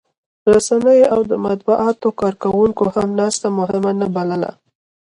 رسنیو او د مطبوعاتو کارکوونکو هم ناسته مهمه نه بلله